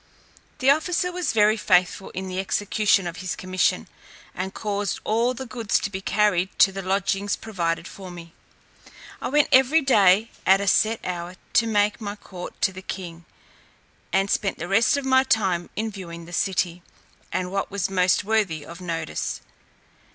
The officer was very faithful in the execution of his commission, and caused all the goods to be carried to the lodgings provided for me. I went every day at a set hour to make my court to the king, and spent the rest of my time in viewing the city, and what was most worthy of notice.